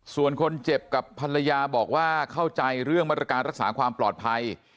ส่วนคนเจ็บกับภรรยาบอกว่าเข้าใจเรื่องมาตรการรักษาความปลอดภัย